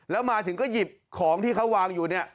แล้วมาถึงก็หยิบของที่เขาวางอยู่เนี่ย